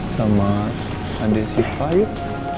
sama adik si faiq